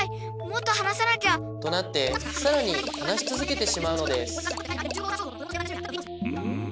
もっとはなさなきゃ！となってさらにはなしつづけてしまうのですん？